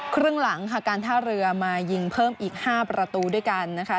ครึ่งหลังค่ะการท่าเรือมายิงเพิ่มอีก๕ประตูด้วยกันนะคะ